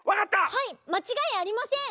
はいまちがいありません！